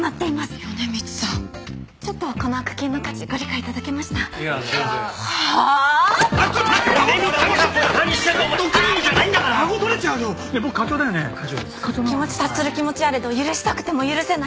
「お気持ち察する気持ちはあれど許したくても許せない！」。